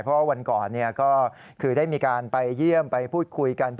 เพราะว่าวันก่อนก็คือได้มีการไปเยี่ยมไปพูดคุยกัน